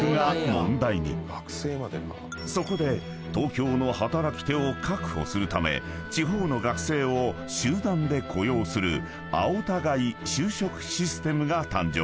［そこで東京の働き手を確保するため地方の学生を集団で雇用する青田買い就職システムが誕生］